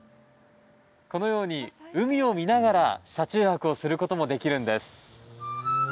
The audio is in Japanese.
このように海を見ながら車中泊をすることもできるんです。